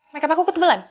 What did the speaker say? makeup aku kebelan